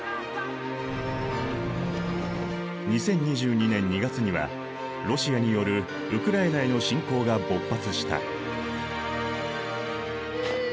２０２２年２月にはロシアによるウクライナへの侵攻が勃発した。